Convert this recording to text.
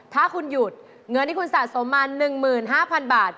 ถ้าคุณหยุดเงินที่คุณสะสมมา๑๕๐๐๐บาท